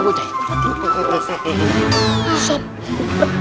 bocanya kumpetin kok kertasnya